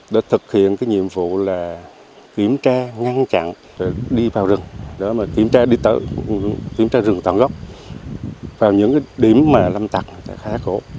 đã thực hiện nhiệm vụ kiểm tra ngăn chặn đi vào rừng kiểm tra rừng toàn gốc vào những điểm lâm tặc khá cổ